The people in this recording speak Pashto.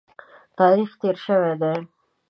تاریخ تېر شوی دی.